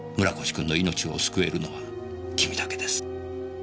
君の命を救えるのは君だけです。